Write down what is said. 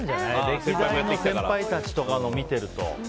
歴代の先輩たちとかの見てると。